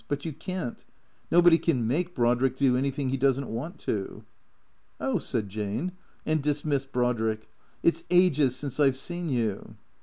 But you can't. Nobody can make Brodrick do anything he does n't want to." " Oh " said Jane, and dismissed Brodrick. " It 's ages since I 've seen you."